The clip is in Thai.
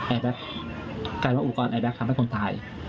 แอร์แบ็คกลายเป็นอุปกรณ์ทำให้คนตาย